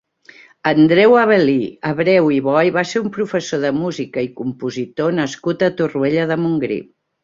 Andreu Avel·lí Abreu i Boy va ser un professor de música i compositor nascut a Torroella de Montgrí.